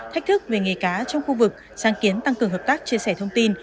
thách thức về nghề cá trong khu vực sáng kiến tăng cường hợp tác chia sẻ thông tin